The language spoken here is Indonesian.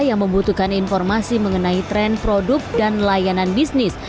yang membutuhkan informasi mengenai tren produk dan layanan bisnis